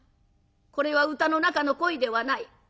これは歌の中の恋ではない。